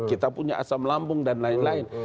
kita punya asam lambung dan lain lain